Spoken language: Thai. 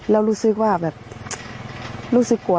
แล้วรู้สึกว่าแบบรู้สึกกลัว